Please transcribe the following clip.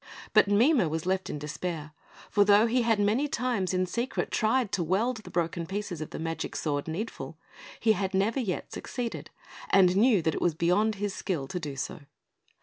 But Mime was left in despair; for though he had many times in secret tried to weld the broken pieces of the magic sword, Needful, he had never yet succeeded, and knew it was beyond his skill to do so.